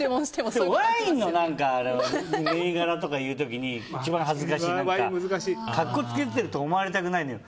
ワインの銘柄とか言う時に一番恥ずかしいのは格好つけてると思われたくないのよ。